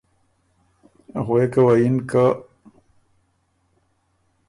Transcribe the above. غوېکه وه یِن که:ـ